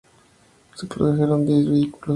Se produjeron diez vehículos.